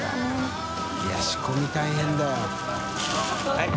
はい。